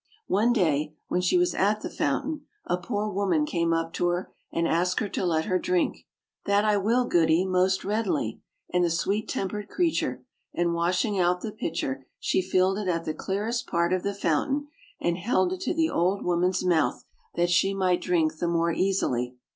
One day when she was at the fountain a poor woman came up to her, and asked her to let her drink. "That I will, Goody, most readily," said the sweet tempered creature: and washing out the pitcher, she filled it at the clearest part of the fountain, and held it to the old woman's mouth that she might drink the more easily.